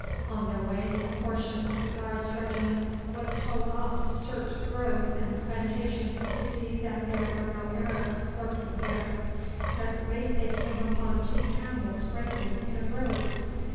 On their way a portion of the Guards' Regiment was told off to search the groves and plantations to see that there were no Arabs lurking there. Presently they came upon two camels grazing in a grove.